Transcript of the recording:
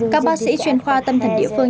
các bác sĩ chuyên khoa tâm thần địa phương